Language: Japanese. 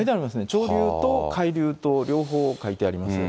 潮流と海流と両方書いてあります。